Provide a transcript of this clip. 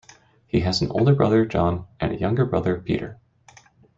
He has an older brother, John, and a younger brother, Peter.